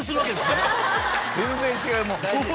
全然違う。